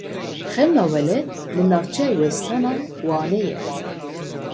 Xemla Welêt li navçeya Westan a Wanê ye.